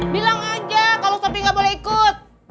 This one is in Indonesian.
bilang aja kalau sopi gak boleh ikut